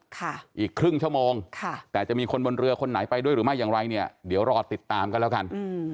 อีกครึ่งชั่วโมงค่ะแต่จะมีคนบนเรือคนไหนไปด้วยหรือไม่อย่างไรเนี่ยเดี๋ยวรอติดตามกันแล้วกันอืม